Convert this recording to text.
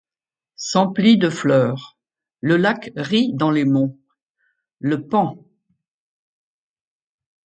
S’emplit de fleurs ; le lac rit dans les monts ; le paon